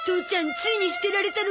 ついに捨てられたのか。